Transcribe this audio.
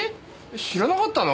知らなかったの？